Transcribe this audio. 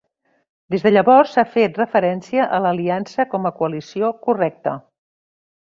Des de llavors, s'ha fet referència a l'aliança com a coalició correcta.